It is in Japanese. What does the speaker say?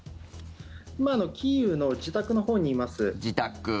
今、キーウの自宅のほうにいます。